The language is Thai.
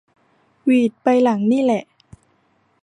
หวีดใบหลังนี่แหละ